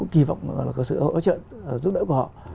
kỳ vọng là có sự hỗ trợ giúp đỡ của họ